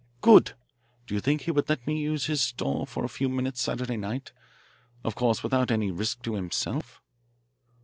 "Good! Do you think he would let me use his store for a few minutes Saturday night of course without any risk to himself!"